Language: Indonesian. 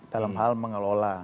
dalam hal mengelola